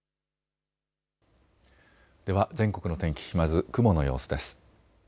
では全国の天気まず雲の様子です。